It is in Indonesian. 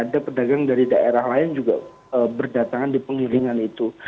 ada pedagang dari daerah lain juga berdatangan di pengiringan itu